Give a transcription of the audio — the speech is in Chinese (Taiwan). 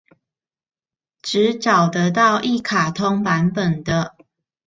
只找得到一卡通版本的